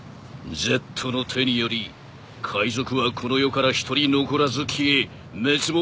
Ｚの手により海賊はこの世から一人残らず消え滅亡するのだ。